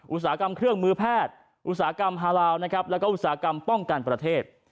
อุตสาหกรรมเครื่องมือแพทย์อุตสาหกรรมฮาลาวนะครับแล้วก็อุตสาหกรรมป้องกันประเทศ